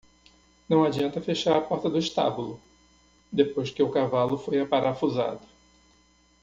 Não adianta fechar a porta do estábulo? depois que o cavalo foi aparafusado.